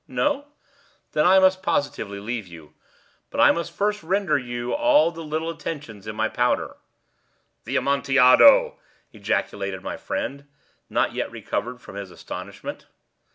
No? Then I must positively leave you. But I must first render you all the little attentions in my power." "The Amontillado!" ejaculated my friend, not yet recovered from his astonishment.